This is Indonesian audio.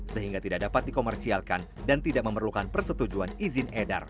sehingga tidak dapat dikomersialkan dan tidak memerlukan persetujuan izin edar